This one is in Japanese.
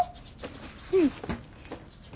うん。